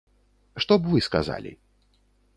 Што б вы сказалі?